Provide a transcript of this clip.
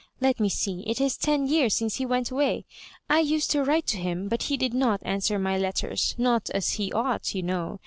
Let me see, it is ten years since he went away. I used to write to him, but he did not answer my letters — not as he ought, you know.